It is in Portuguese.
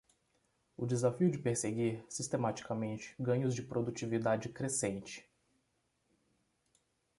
o desafio de perseguir, sistematicamente, ganhos de produtividade crescente